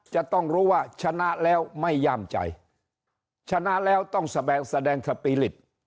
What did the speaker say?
จะต้องรู้ว่าชนะแล้วไม่ย่ามใจชนะแล้วต้องแสดงแสดงสปีริต